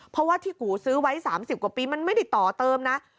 เพราะว่าที่กูซื้อไว้๓๐กว่าปีมันไม่ได้ต่อเติมนะ